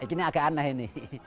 ini agak aneh ini